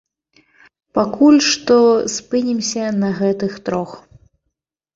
Пакуль што спынімся на гэтых трох.